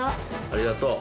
ありがとう。